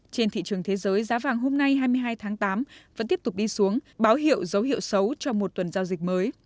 trên thị trường thế giới giá vàng hôm nay hai mươi hai tháng tám vẫn tiếp tục đi xuống báo hiệu dấu hiệu xấu cho một tuần giao dịch mới